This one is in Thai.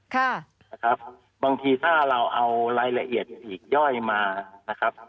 ค่ะนะครับบางทีถ้าเราเอารายละเอียดอีกย่อยมานะครับ